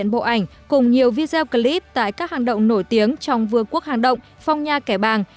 bộ ảnh cùng nhiều video clip tại các hàng động nổi tiếng trong vương quốc hàng động phong nha kẻ bàng